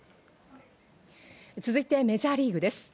続いてメジャーリーグです。